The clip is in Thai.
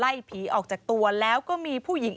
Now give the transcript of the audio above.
ผีออกจากตัวแล้วก็มีผู้หญิง